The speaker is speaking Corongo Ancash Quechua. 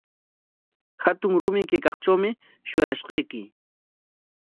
Hatun rumi kaykaqtrawmi shuyarashqayki.